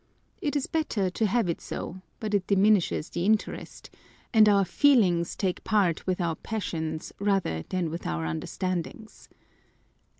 It is better to have it so, but it diminishes the interest ; and our feelings take part with our passions rather than with our understandings.